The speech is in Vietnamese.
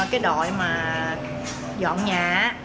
cái đội mà dọn nhà